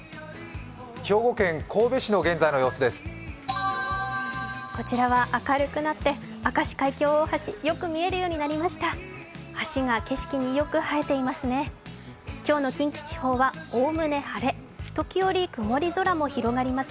兵庫県神戸市の現在の様子です。